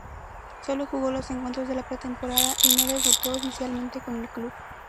Solo jugó los encuentros de la pretemporada y no debutó oficialmente con el club.